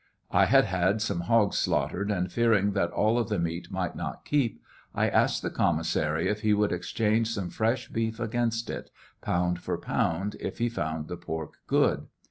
I had had some hogs slaughtered, and fearing that all of the meat might not keep, I asked the commissary if he would exchange some fresh beef against it, pound for pound, if he found the pork good.